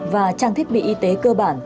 và trang thiết bị y tế cơ bản